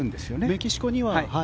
メキシコには。